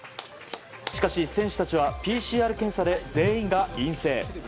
しかし、選手たちはＰＣＲ検査で全員が陰性。